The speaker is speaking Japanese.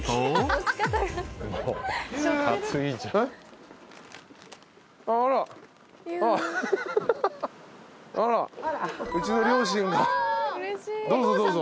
どうぞどうぞ。